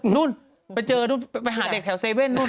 นู่นไปเจอไปหาเด็กแถวเซเฟ่นนู่น